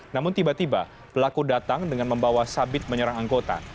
namun tiba tiba pelaku datang dengan membawa sabit menyerang anggota